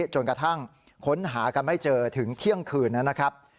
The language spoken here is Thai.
จนกระทั่งค้นหากันไม่เจอถึงเที่ยงคืนนะครับ